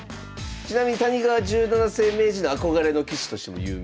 ちなみに谷川十七世名人の憧れの棋士としても有名です。